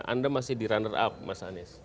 anda masih di runner up mas anies